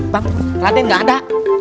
bang raden gak ada